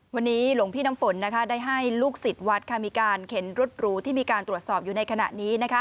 วันนี้หลวงพี่น้ำฝนได้ให้ลูกศิษย์วัดมีการเข็นรถหรูที่มีการตรวจสอบอยู่ในขณะนี้